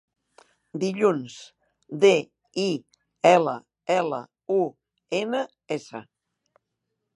Dilluns: de, i, ela, ela, u, ena, essa.